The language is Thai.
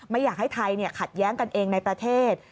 ไม่อยากให้ไทยขัดแย้งกันเองในประเทศ